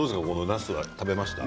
なすは食べました？